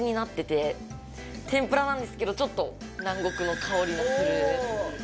天ぷらなんですけどちょっと南国の香りのする。